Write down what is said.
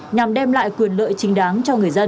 nhằm đem lại quyền lợi chính đáng cho người dân